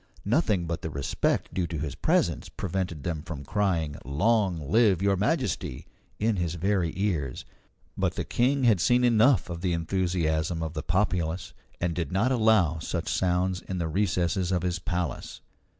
Nothing but the respect due to his presence prevented them from crying "Long live Your Majesty!" in his very ears. But the King had seen enough of the enthusiasm of the populace, and did not allow such sounds in the recesses of his palace.